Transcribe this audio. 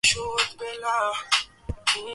vinaweza kuathiri mimea na uoto wa asili